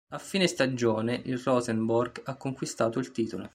A fine stagione, il Rosenborg ha conquistato il titolo.